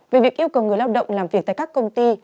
về việc yêu cầu người lao động làm việc tại các công ty